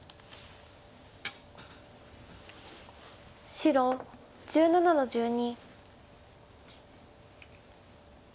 白１７の十二。